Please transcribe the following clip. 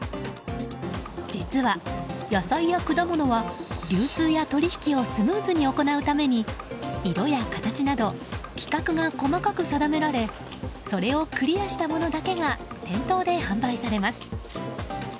実は野菜や果物は、流通や取引をスムーズに行うために色や形など規格が細かく定められそれをクリアしたものだけが店頭で販売されます。